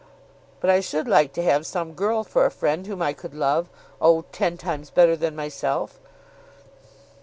But I should like to have some girl for a friend whom I could love, oh, ten times better than myself."